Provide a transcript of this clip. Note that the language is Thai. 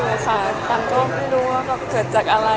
ก็เยอะกันเลยค่ะตั๊มก็ไม่รู้ว่าเกิดจากอะไรอย่างไร